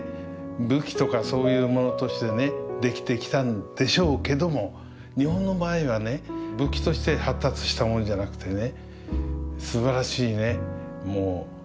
武器とかそういうものとしてね出来てきたんでしょうけども日本の場合はね武器として発達したものじゃなくてね